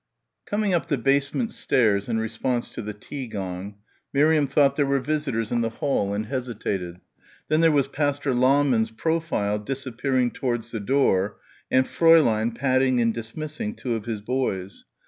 5 Coming up the basement stairs in response to the tea gong, Miriam thought there were visitors in the hall and hesitated; then there was Pastor Lahmann's profile disappearing towards the door and Fräulein patting and dismissing two of his boys.